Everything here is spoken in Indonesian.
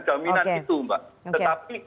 jaminan itu mbak tetapi